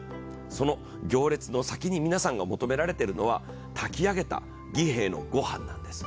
その行列の先に皆さんが求められているのは炊き上げた儀兵衛のご飯なんです。